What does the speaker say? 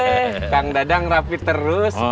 heee kang dadang rapir terus